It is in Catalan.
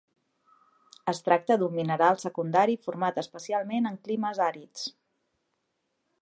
Es tracta d'un mineral secundari format especialment en climes àrids.